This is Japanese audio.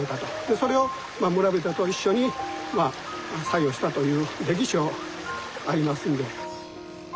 それを村人と一緒に作業したという歴史がありますんで。